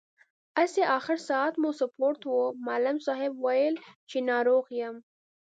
هسې، اخر ساعت مو سپورټ و، معلم صاحب ویل چې ناروغ یم.